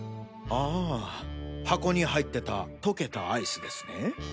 ああ箱に入ってた溶けたアイスですね。